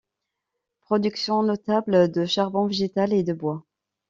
Production notable de charbon végétal et de bois.